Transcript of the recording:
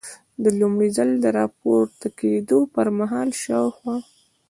د لومړي ځل را پورته کېدو پر مهال شاوخوا.